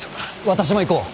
私も行こう。